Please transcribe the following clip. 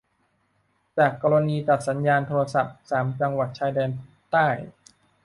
จากกรณีตัดสัญญาณโทรศัพท์สามจังหวัดชายแดนใต้